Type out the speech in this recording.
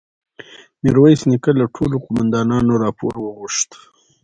ميرويس نيکه له ټولو قوماندانانو راپور وغوښت.